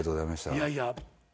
いやいや。